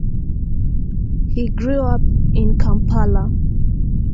He grew up in Kampala.